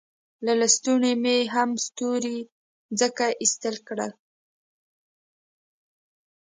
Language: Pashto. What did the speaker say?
له لستوڼو مې هم ستوري ځکه ایسته کړل.